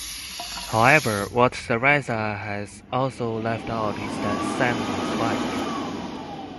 However, what Theresa has also left out is that Simon is white.